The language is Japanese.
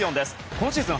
今シーズン